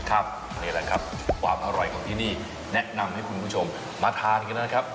นี่แหละครับความอร่อยของที่นี่แนะนำให้คุณผู้ชมมาทานกันนะครับ